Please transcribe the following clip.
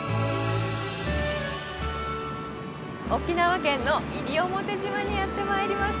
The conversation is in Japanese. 沖縄県の西表島にやってまいりました。